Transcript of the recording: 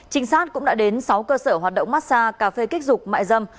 trinh sát cũng đã đến sáu cơ sở hoạt động massa cà phê kích dục mại dâm